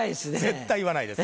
絶対言わないです。